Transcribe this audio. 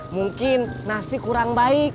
mungkin nasi kurang baik